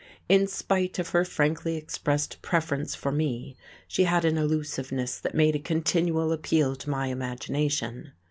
In spite of her frankly expressed preference for me she had an elusiveness that made a continual appeal to my imagination.